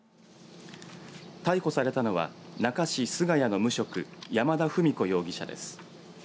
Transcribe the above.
逮捕されたのは那珂市菅谷の無職山田史子容疑者です。